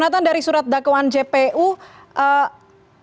apakah kemudian kalau tadi keluarga menanggapinya dengan berat